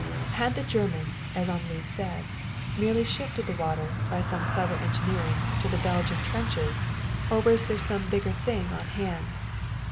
Had the Germans, as Henri said, merely shifted the water, by some clever engineering, to the Belgian trenches, or was there some bigger thing on hand?